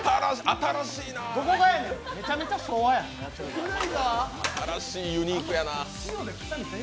新しい、ユニークやな。